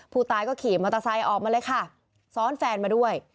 ผู้ตายก็ขี่มอเตอร์ไซค์ออกมาเลยค่ะซ้อนแฟนมาด้วย